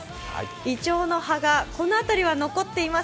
イチョウの葉がこの辺りは残っています。